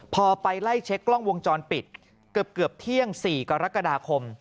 พอไปไล่เช็คกล้องวงจรปิดเกือบเที่ยง๔กรกฎาคม